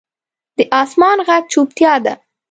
د اسمان ږغ چوپتیا ده.